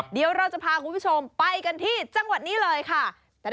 เดี๋ยวเราจะพาคุณผู้ชมไปกันที่จังหวัดนี้เลยค่ะ